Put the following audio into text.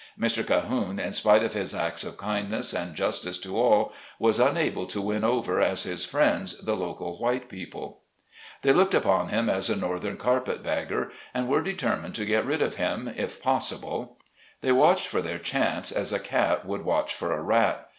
Mr. Cahoone, in spite of his acts of kind ness and justice to all, was unable to win over as his friends the local white people. IN A VIRGINIA PULPIT. 67 They looked upon him as a Northern Carpet bag ger, and were determined to get rid of him, if possi ble. They watched for their chance as a cat would watch for a rat.